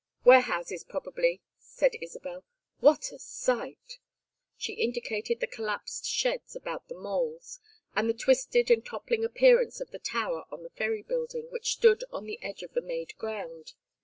"Warehouses, probably," said Isabel. "What a sight!" She indicated the collapsed sheds about the moles, and the twisted and toppling appearance of the tower on the Ferry Building, which stood on the edge of the made ground.